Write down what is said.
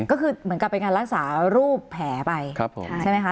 ก็คือเหมือนกับเป็นการรักษารูปแผลไปใช่ไหมคะ